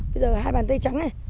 bây giờ hai bàn tay trắng ấy